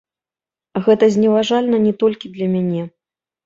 Гэта зневажальна не толькі для мяне.